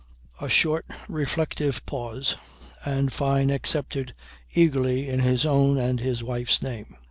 A short reflective pause and Fyne accepted eagerly in his own and his wife's name.